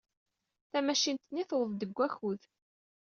Tamacint-nni tuweḍ-d deg wakud.